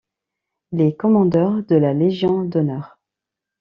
Il est commandeur de la Légion d'honneur.